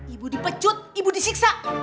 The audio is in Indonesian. ibu dipecut ibu disiksa